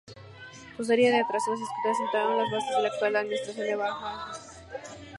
Su serie de tratados y escritos sentaron las bases de la actual administración bahaí.